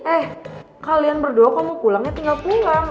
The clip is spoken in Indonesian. eh kalian berdua kamu pulangnya tinggal pulang